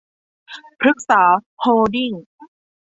พฤกษา โฮลดิ้ง